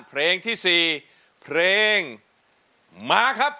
เพลงที่๔เพลงมาครับ